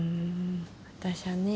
私はね